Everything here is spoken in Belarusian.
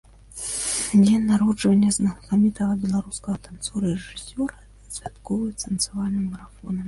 Дзень нараджэння знакамітага беларускага танцора і рэжысёра адсвяткуюць танцавальным марафонам.